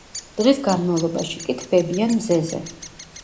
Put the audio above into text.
დღის განმავლობაში კი თბებიან მზეზე.